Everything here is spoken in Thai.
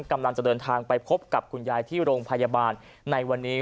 กำลังจะเดินทางไปพบกับคุณยายที่โรงพยาบาลในวันนี้